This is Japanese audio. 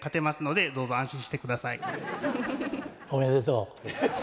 おめでとう。